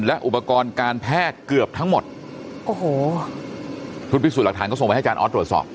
และอุปกรณ์การแพทย์เกือบทั้งหมดโอ้โหชุดพิสูจน์หลักฐานก็ส่งไปให้อาจารย์ออสตรวจสอบ